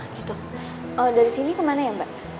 kalau dari sini kemana ya mbak